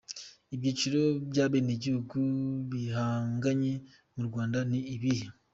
Ibyiciro by’abenegihugu bihanganye mu Rwanda ni ibihe ?